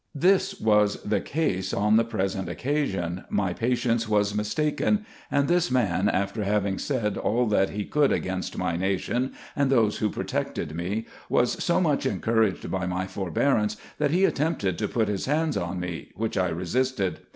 This was the case on the present occasion : my patience was mistaken ; and this man, after having said all that he could against my nation, and those who protected me, was so much encouraged by my forbearance, that he attempted to put his hands on me, which I resisted.